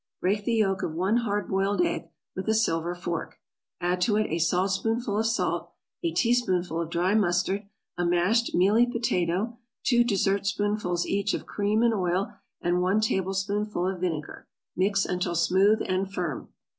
= Break the yolk of one hard boiled egg with a silver fork, add to it a saltspoonful of salt, a teaspoonful of dry mustard, a mashed mealy potato, two dessertspoonfuls each of cream and oil, and one tablespoonful of vinegar; mix until smooth and firm.